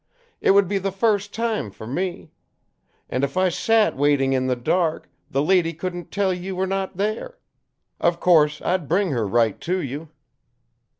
It would be the first time for me. And if I sat waiting in the dark, the lady couldn't tell you were not there. Of course I'd bring her right to you."